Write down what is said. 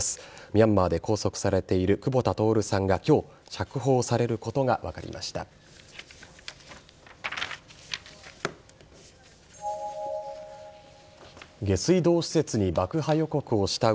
ミャンマーで拘束されている久保田徹さんが今日釈放されることが分かりました。